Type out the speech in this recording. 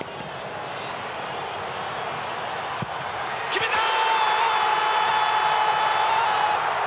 決めた！